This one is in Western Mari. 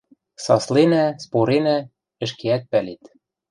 Сасленӓ, споренӓ, ӹшкеӓт пӓлет...